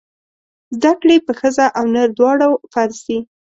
زده کړې په ښځه او نر دواړو فرض دی!